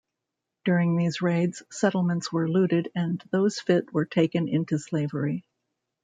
During these raids, settlements were looted and those fit were taken into slavery.